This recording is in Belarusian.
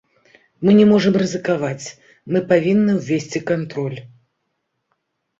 Мы не можам рызыкаваць, мы павінны ўвесці кантроль.